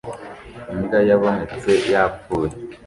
Imbwa yabonetse yapfuye